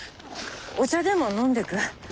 お茶でも飲んでく？